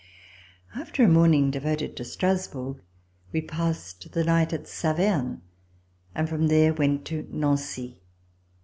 After a morning devoted to Strasbourg, we passed the night at Saverne and from there went to Nancy.